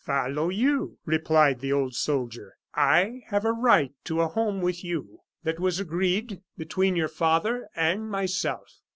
"Follow you," replied the old soldier. "I have a right to a home with you; that was agreed between your father and myself!